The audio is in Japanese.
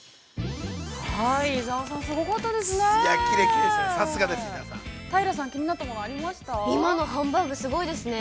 ◆伊沢さん、すごかったですね。